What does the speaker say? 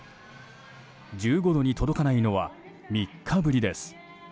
１５度に届かないのは３日ぶりです。